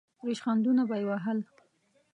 ریشخندونه به یې وهل.